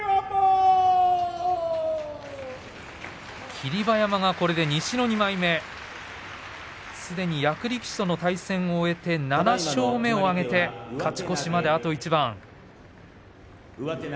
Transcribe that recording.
霧馬山がこれで西の２枚目すでに役力士との対戦を終えて７勝目を挙げて勝ち越しまであと一番。